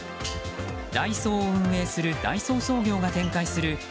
ダイソーを運営する大創産業が展開する